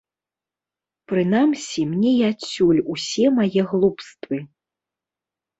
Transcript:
Прынамсі мне і адсюль усе мае глупствы.